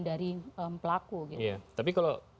dari pelaku tapi kalau